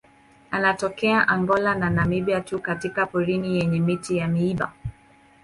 Anatokea Angola na Namibia tu katika pori yenye miti ya miiba.